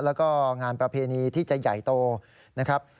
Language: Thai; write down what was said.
แล้วก็งานประเพณีที่จะใหญ่โตนะครับ